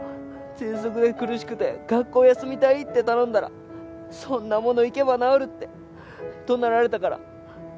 ぜんそくで苦しくて学校休みたいって頼んだらそんなもの行けば治るって怒鳴られたから。